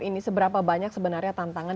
ini seberapa banyak sebenarnya tantangan